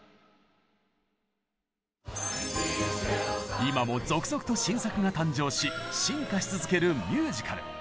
今も続々と新作が誕生し進化し続けるミュージカル。